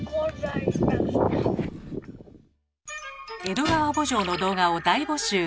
「江戸川慕情」の動画を大募集。